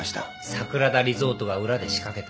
桜田リゾートが裏で仕掛けた。